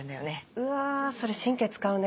うわそれ神経使うね。